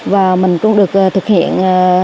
và mình cũng được thực hiện